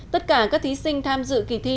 tất cả các thí sinh tham dự kỳ thi